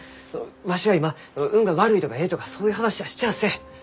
わしは今運が悪いとかえいとかそういう話はしちゃあせん！